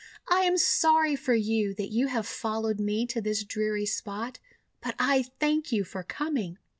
'I am sorry for you, tliat you liave fol lowed me to this dreary spot! But I thank you for coming!'